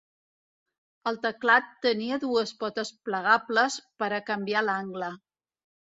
El teclat tenia dues potes plegables per a canviar l'angle.